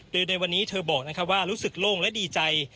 โดยในวันนี้เธอบอกว่ารู้สึกโล่งและดีใจ